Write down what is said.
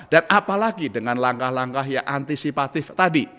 dan apalagi dengan langkah langkah yang antisipatif tadi